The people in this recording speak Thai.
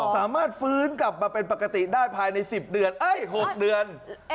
สามารถฟื้นกลับมาเป็นปกติได้ภายใน๑๐เดือน๖เดือน